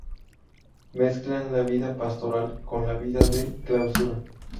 Mezclan la vida pastoral con la vida de clausura.